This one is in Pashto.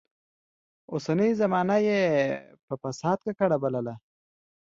اوسنۍ زمانه يې په فساد ککړه بلله.